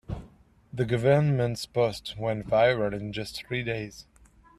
The government's post went viral in just three days.